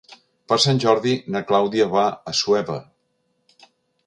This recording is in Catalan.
Per Sant Jordi na Clàudia va a Assuévar.